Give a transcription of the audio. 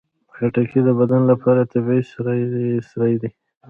خټکی د بدن لپاره طبیعي سري دي.